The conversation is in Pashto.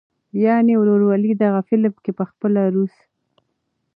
يعنې "وروولي". دغه فلم کښې پخپله روس